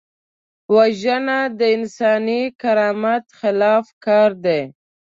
وژنه د انساني کرامت خلاف کار دی